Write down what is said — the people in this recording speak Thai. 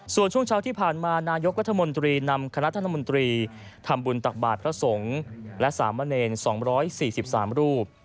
ส่วนช่วงเช้าที่ผ่านมานายกรัฐมนตรีนำคณะรัฐมนตรีทำบุญตักบาทพระสงฆ์และสามเณร๒๔๓รูป